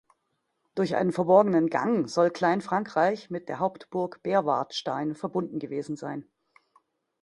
Durch einen verborgenen Gang soll Klein-Frankreich mit der Hauptburg Berwartstein verbunden gewesen sein.